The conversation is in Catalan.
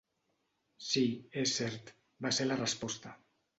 "Sí, és cert", va ser la resposta.